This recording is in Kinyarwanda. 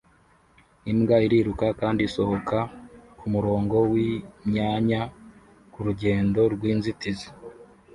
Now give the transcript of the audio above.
Imbwa iriruka kandi isohoka kumurongo wimyanya kurugendo rwinzitizi